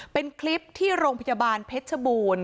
เป็นคลิปที่โรงพยาบาลเพชรชบูรณ์